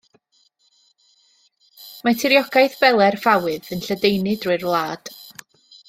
Mae tiriogaeth bele'r ffawydd yn lledaenu drwy'r wlad.